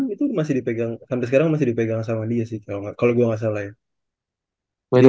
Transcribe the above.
itu masih dipegang sampai sekarang masih dipegang sama dia sih kalau gue gak salah ya